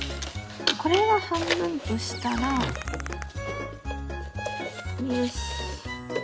これを半分としたらよし。